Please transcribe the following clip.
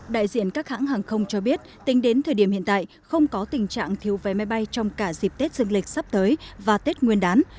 đại diện các hãng hàng không cho biết tính đến thời điểm hiện tại không có tình trạng thiếu vé máy bay trong cả dịp tết dương lịch sắp tới và tết nguyên đán